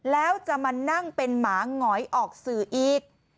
แล้วจะมานั่งเป็นหมาหงอยออกสื่ออีก